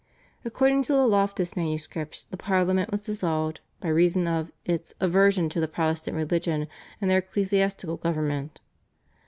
According to the Loftus manuscripts the Parliament was dissolved "by reason of [its] aversion to the Protestant religion, and their ecclesiastical government."